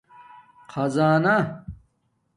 خزانہ